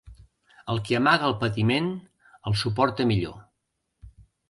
El que amaga el patiment, el suporta millor.